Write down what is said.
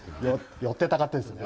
寄ってたかってですよね。